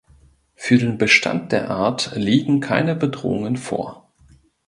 Für den Bestand der Art liegen keine Bedrohungen vor.